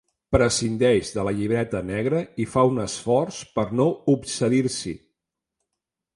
Prescindeix de la llibreta negra i fa un esforç per no obsedir-s'hi.